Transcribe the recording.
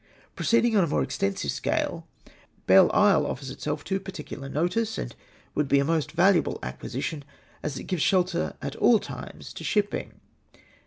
"Proceeding' on a more extensive scale. Belle Isle offers itself to particular notice, and would be a most valuable acquisition, as it gives shelter at all times to shipping.